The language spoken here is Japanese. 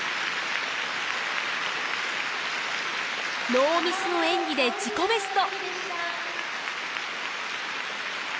ノーミスの演技で自己ベスト。